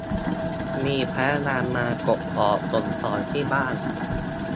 มีพนักงานมากดออดส่งของที่บ้าน